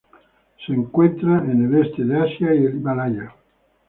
Se encuentra en el este de Asia y el Himalaya.